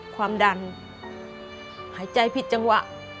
ความดันหายใจผิดจังหวะ